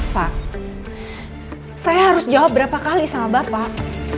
pak saya harus jawab berapa kali sama bapak